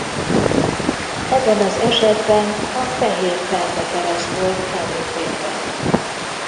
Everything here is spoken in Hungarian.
Ebben az esetben a fehér ferde kereszt volt előtérben.